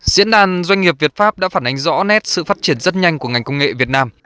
diễn đàn doanh nghiệp việt pháp đã phản ánh rõ nét sự phát triển rất nhanh của ngành công nghệ việt nam